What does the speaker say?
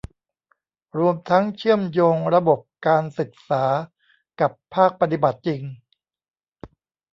รวมทั้งเชื่อมโยงระบบการศึกษากับภาคปฏิบัติจริง